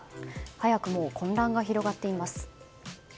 早くも混乱が広がっています。